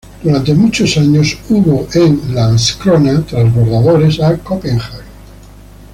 Durante muchos años había Landskrona transbordadores a Copenhague.